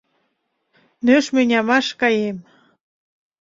- Нӧшмӧ нямаш каем.